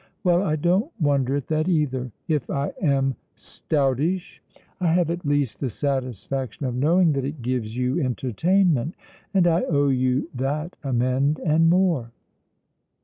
Well, I don't wonder at that, either. If I am stoutish, I have at least the satisfaction of knowing that it gives you entertainment, and I owe you that amend and more."